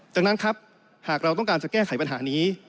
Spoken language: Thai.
จากนั้นครับหากเราต้องการจะแก้ไขปัญหานี้